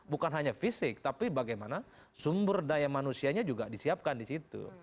bukan hanya fisik tapi bagaimana sumber daya manusianya juga disiapkan di situ